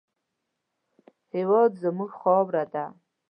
هېواد زموږ خاوره ده